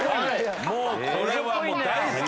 もうこれは大好き。